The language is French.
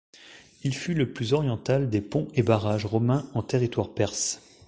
Il fut le plus oriental des ponts et barrages romains en territoire perse.